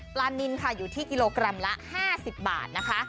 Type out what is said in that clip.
นินค่ะอยู่ที่กิโลกรัมละ๕๐บาทนะคะ